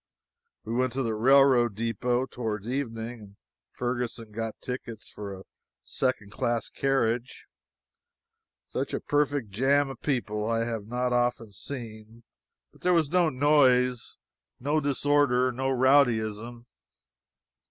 We went to the railroad depot, toward evening, and Ferguson got tickets for a second class carriage. Such a perfect jam of people I have not often seen but there was no noise, no disorder, no rowdyism.